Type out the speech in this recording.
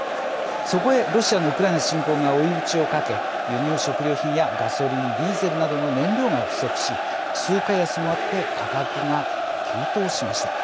そこへ、ロシアのウクライナ侵攻が追い打ちをかけ輸入食料品やガソリン、ディーゼルなどの燃料が不足し通貨安もあって価格が急騰しました。